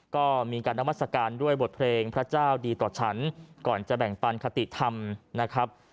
ก็มีการนามัศกาลด้วยบทเพลงพระเจ้าดีต่อฉันก่อนจะแบ่งปันคติธรรมนะครับ